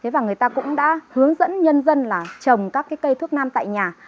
và người ta cũng đã hướng dẫn nhân dân là trồng các cây thuốc nam tại nhà